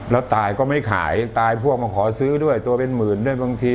แล้วตายก็ไม่ขายตายพวกมาขอซื้อด้วยตัวเป็นหมื่นด้วยบางที